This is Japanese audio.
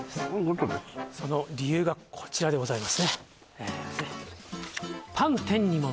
その理由がこちらでございますね